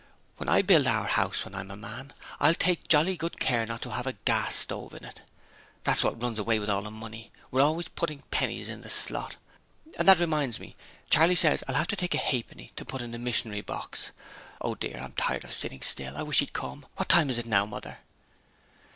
'When I build our house when I'm a man, I'll take jolly good care not to have a gas stove in it. That's what runs away with all the money; we're always putting pennies in the slot. And that reminds me: Charley said I'll have to take a ha'penny to put in the mishnery box. Oh, dear, I'm tired of sitting still. I wish he'd come. What time is it now, Mother?'